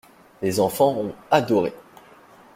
Les enfants ont adoré.